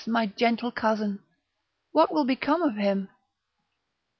my gentle cousin! what will become of him!"